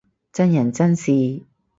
真人真事